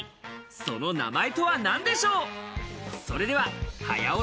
その名前とは一体なんでしょう。